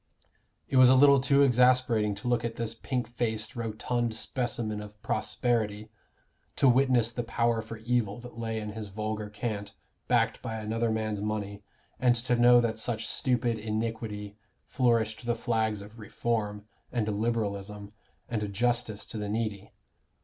It was a little too exasperating to look at this pink faced rotund specimen of prosperity, to witness the power for evil that lay in his vulgar cant, backed by another man's money, and to know that such stupid iniquity flourished the flags of Reform, and Liberalism, and justice to the needy.